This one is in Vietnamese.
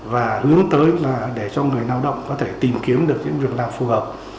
và hướng tới là để cho người lao động có thể tìm kiếm được những việc làm phù hợp